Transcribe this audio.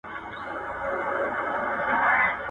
یا دي نه وای شاعر کړی یا دي نه وای بینا کړی ..